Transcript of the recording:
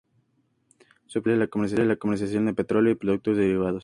Su objetivo social es la comercialización de petróleo y productos derivados.